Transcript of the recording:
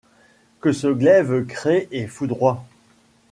Que ce glaive crée et foudroie